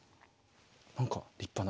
何か立派な。